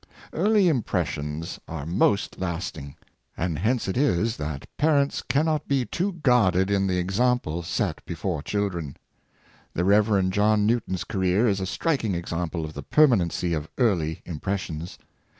'' Early impressions are most lasting, and hence it is that parents cannot be too guarded in the example set before children The Rev. John Newton's career is a striking example of the permanency of early impres sions.